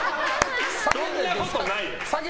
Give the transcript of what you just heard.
そんなことないよ！